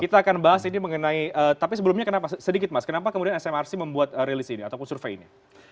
kita akan bahas ini mengenai tapi sebelumnya kenapa sedikit mas kenapa kemudian smrc membuat rilis ini ataupun survei ini